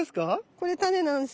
これタネなんす。